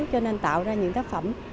cho nên tạo ra những tác phẩm